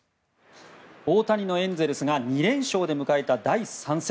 大谷のエンゼルスが２連勝で迎えた第３戦。